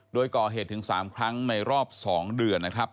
โดยก่อเหตุถึง๓ครั้งในรอบ๒เดือนนะครับ